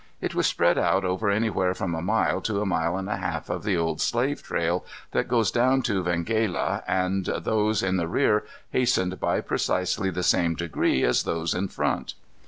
It was spread out over anywhere from a mile to a mile and a half of the old slave trail that goes down to Venghela, and those in the rear hastened by precisely the same degree as those in front.